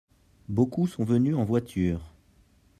Beaucoup sont venus en voiture.